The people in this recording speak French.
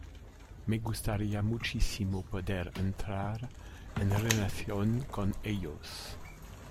Me gustaria muchissimo poder entrar en relacion con ellos.